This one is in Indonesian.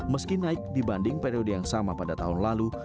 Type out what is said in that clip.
meski naik dibanding periode yang sama pada tahun lalu